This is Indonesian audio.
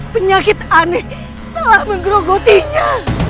penyakit aneh telah menggerogotinya